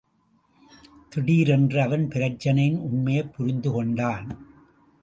திடீரென்று அவன் பிரச்சினையின் உண்மையைப் புரிந்து கொண்டான்.